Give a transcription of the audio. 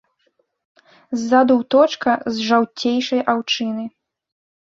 Ззаду ўточка з жаўцейшай аўчыны.